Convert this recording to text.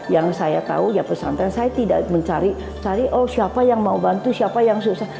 yang saya tahu pesantren saya tidak mencari siapa yang mau bantu siapa yang susah